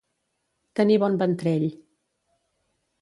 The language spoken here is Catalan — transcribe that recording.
Tenir bon ventrell.